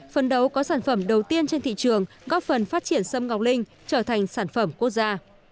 phần đấu có sản phẩm đầu tiên trên thị trường góp phần phát triển sâm ngọc linh trở thành sản phẩm quốc gia